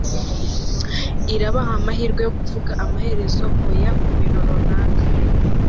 Irabaha amahirwe yo kuvuga amaherezo OYA kubintu runaka